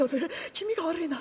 気味が悪いな。